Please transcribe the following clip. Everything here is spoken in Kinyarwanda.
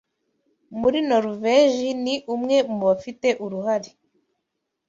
muri Noruvège ni umwe mu bafite uruhare